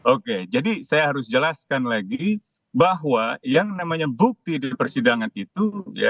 oke jadi saya harus jelaskan lagi bahwa yang namanya bukti di persidangan itu